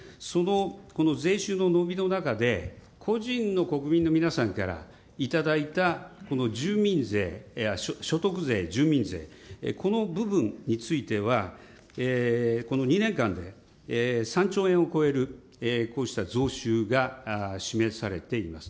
この税収の伸びの中で、個人の国民の皆さんから頂いたこの住民税、所得税、住民税、この部分については、この２年間で３兆円を超える、こうした増収が示されています。